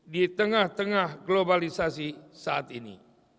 di tengah tengah globalisasi saat ini